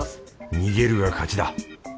逃げるが勝ちだ！